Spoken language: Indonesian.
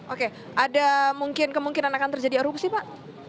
oke ada mungkin kemungkinan akan terjadi erupsi pak